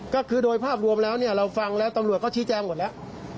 ก็คือโดยภาพรวมแล้วเนี่ยเราฟังแล้วตำรวจก็ชี้แจงหมดแล้ว